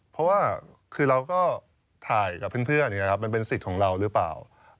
เพราะว่าคือเราก็ถ่ายกับเพื่อนมันเป็นสิทธิ์ของเราหรือเปล่า